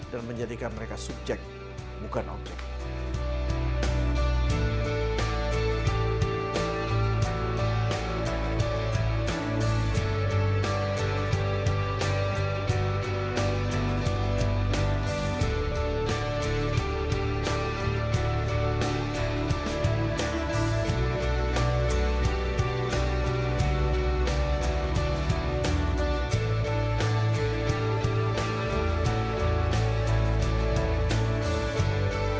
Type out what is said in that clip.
dan menjadikan mereka subjek bukan objek